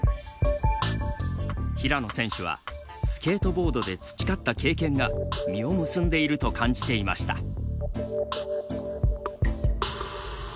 平野選手はスケートボードで培った経験が実を結んでいると感じていました。